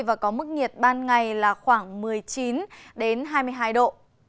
và có mức nhiệt ban ngày là khoảng một mươi chín hai mươi hai độ